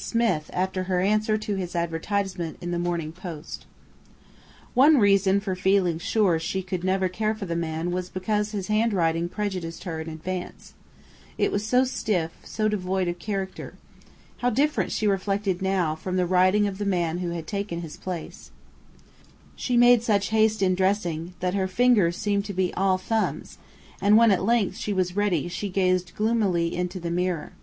Smith" after her answer to his advertisement in the Morning Post. One reason for feeling sure she could never care for the man was because his handwriting prejudiced her in advance, it was so stiff, so devoid of character. How different, she reflected now, from the writing of the man who had taken his place! She made such haste in dressing that her fingers seemed to be "all thumbs"; and when at length she was ready she gazed gloomily into the mirror.